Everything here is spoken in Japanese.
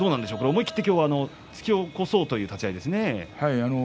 思い切って突き起こそうという立ち合いですね。